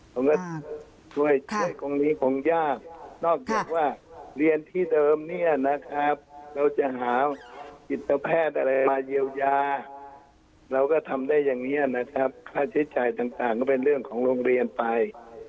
ผมก็ช่วยช่วยตรงนี้คงยากนอกจากว่าเรียนที่เดิมเนี่ยนะครับเราจะหาจิตแพทย์อะไรมาเยียวยาเราก็ทำได้อย่างนี้นะครับค่าใช้จ่ายต่างก็เป็นเรื่องของโรงเรียนไป